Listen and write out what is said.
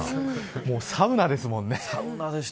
もうサウナですもんね。